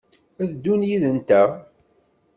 A ddun yid-nteɣ?